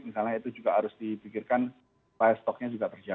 misalnya itu juga harus dipikirkan pay stoknya juga terjaga